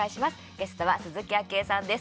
ゲストは鈴木あきえさんです。